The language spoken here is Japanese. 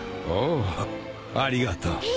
おおありがとう。